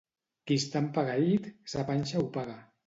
Qui està empegueït, sa panxa ho paga.